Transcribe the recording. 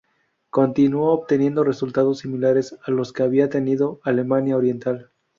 Continuó obteniendo resultados similares a los que había tenido Alemania Oriental.